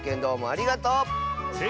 ありがとう！